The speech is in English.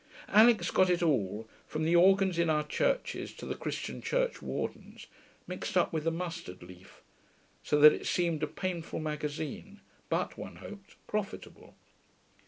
Alix got it all, from the Organs in our Churches to the Christian Churchwardens, mixed up with the mustard leaf, so that it seemed a painful magazine, but, one hoped, profitable.